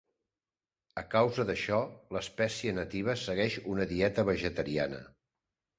A causa d'això, l'espècie nativa segueix una dieta vegetariana.